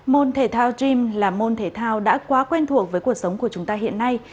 môn thể thao gream là môn thể thao đã quá quen thuộc với cuộc sống của chúng ta hiện nay